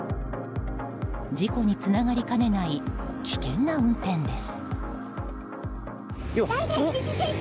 事故につながりかねない危険な運転です。